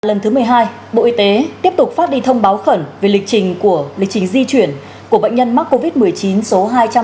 lần thứ một mươi hai bộ y tế tiếp tục phát đi thông báo khẩn về lịch trình di chuyển của bệnh nhân mắc covid một mươi chín số hai trăm bốn mươi ba